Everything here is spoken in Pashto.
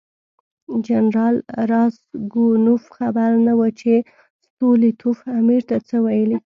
جنرال راسګونوف خبر نه و چې ستولیتوف امیر ته څه ویلي.